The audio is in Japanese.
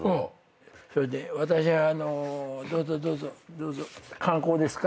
それで「私はあのどうぞどうぞどうぞ」「観光ですか？